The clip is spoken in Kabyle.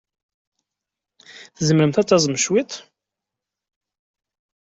Tzemremt ad taẓemt cwiṭ?